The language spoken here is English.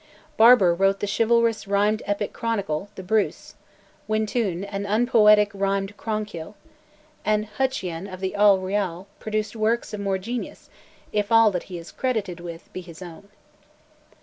Barbour wrote the chivalrous rhymed epic chronicle 'The Brus'; Wyntoun, an unpoetic rhymed "cronykil"; and "Hucheoun of the Awle Ryal" produced works of more genius, if all that he is credited with be his own.